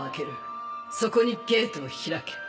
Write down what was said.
そこにゲートを開け。